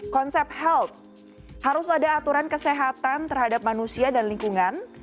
konsep health harus ada aturan kesehatan terhadap manusia dan lingkungan